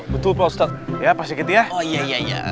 betul betul ya pasti gitu ya oh iya iya iya